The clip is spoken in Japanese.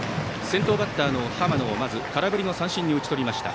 先頭バッターの浜野を空振りの三振に打ち取りました。